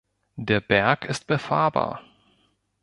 Der Berg ist befahrbar.